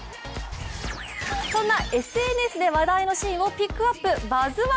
そんなＳＮＳで話題のシーンをピックアップ「バズ☆１」